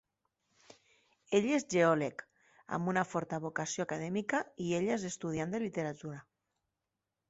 Ell és geòleg amb una forta vocació acadèmica i ella és estudiant de literatura.